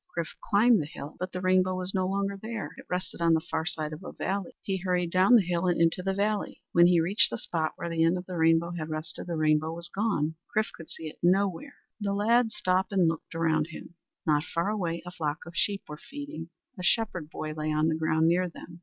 Chrif climbed the hill, but the rainbow was no longer there. It rested on the far side of a valley. He hurried down the hill and into the valley. When he reached the spot where the end of the rainbow had rested, the rainbow was gone. Chrif could see it nowhere. The lad stopped and looked around him. Not far away a flock of sheep were feeding. A shepherd boy lay on the ground near them.